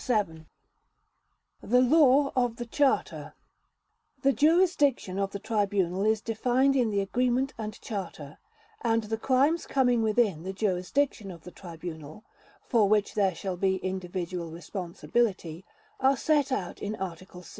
The Law of the Charter The jurisdiction of the Tribunal is defined in the Agreement and Charter, and the crimes coming within the jurisdiction of the Tribunal, for which there shall be individual responsibility, are set out in Article 6.